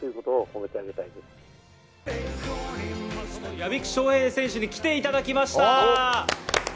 屋比久翔平選手に来ていただきました。